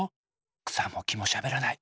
くさもきもしゃべらない。